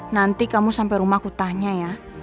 nanti kamu sampai rumah aku tanya ya